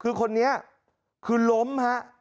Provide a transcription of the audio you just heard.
คือคนนี้คือล้มฮะ